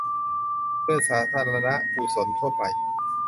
เพื่อสาธารณกุศลทั่วไป